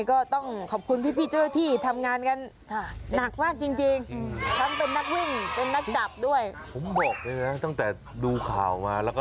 เป็นอย่างไรบ้าง